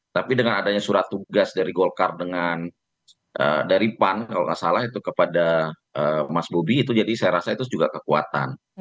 tapi dengan adanya surat tugas dari golkar dengan dari pan kalau nggak salah itu kepada mas bobi itu jadi saya rasa itu juga kekuatan